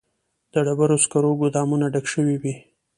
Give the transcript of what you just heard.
د ډبرو سکرو ګودامونه ډک شوي وي